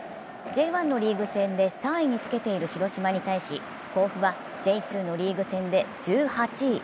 Ｊ１のリーグ戦で３位につけている広島に対し甲府はＪ２のリーグ戦で１８位。